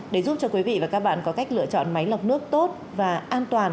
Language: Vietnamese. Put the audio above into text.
để giúp cho quý vị và các bạn có cách lựa chọn máy lọc nước tốt và an toàn